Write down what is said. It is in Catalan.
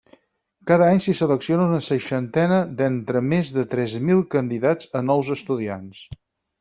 Cada any s'hi selecciona una seixantena d'entre més de tres mil candidats a nous estudiants.